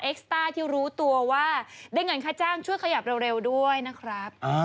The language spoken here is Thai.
สต้าที่รู้ตัวว่าได้เงินค่าจ้างช่วยขยับเร็วด้วยนะครับ